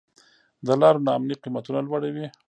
د لارو نا امني قیمتونه لوړوي.